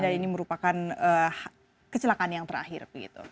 dan ini merupakan kecelakaan yang terakhir